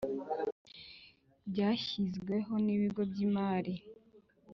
byashyizweho n ibigo by imari